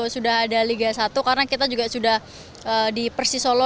sudah ada liga satu karena kita juga sudah di persisolo